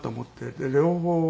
で両方を。